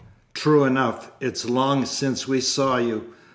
True enough, it's long since we saw you....'